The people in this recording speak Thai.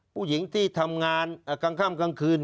ผู้หญิงที่ทำงานกลางค่ำกลางคืน